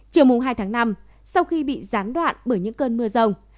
chiều mùng hai tháng năm sau khi bị gián đoạn bởi những cơn mưa rông